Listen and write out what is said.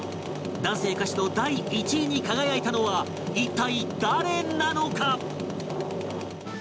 男性歌手の第１位に輝いたのは一体誰なのか？